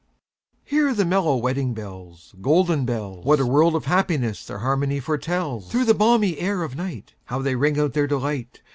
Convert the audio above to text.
Hear the mellow wedding bells, Golden bells! What a world of happiness their harmony foretells! Through the balmy air of nightHow they ring out their delight!